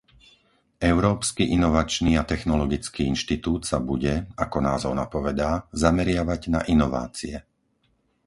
Európsky inovačný a technologický inštitút sa bude, ako názov napovedá, zameriavať na inovácie.